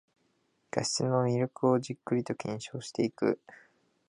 画質の魅力をじっくりと検証していく